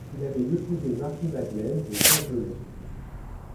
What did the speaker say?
Il avait épousé Marie-Madeleine de Saint-Gelais.